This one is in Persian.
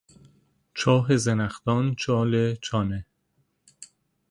چاه زنخدان، چال چانه